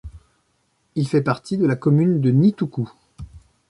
Il fait partie de la commune de Nitoukou.